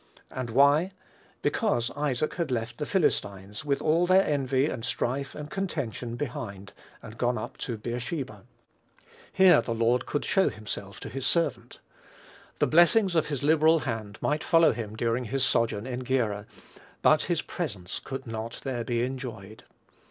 And why? because Isaac had left the Philistines, with all their envy, and strife, and contention behind, and gone up to Beersheba. Here the Lord could show himself to his servant. The blessings of his liberal hand might follow him during his sojourn in Gerar; but his presence could not there be enjoyed.